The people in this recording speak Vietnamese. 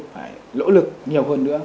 phải lỗ lực nhiều hơn nữa